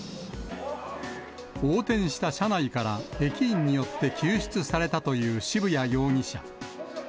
横転した車内から駅員によって救出されたという渋谷容疑者。